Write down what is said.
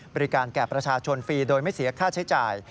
บริการแก่ประชาชนฟรีโดยไม่เสียค่าใช้จ่าย